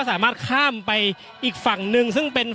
อย่างที่บอกไปว่าเรายังยึดในเรื่องของข้อ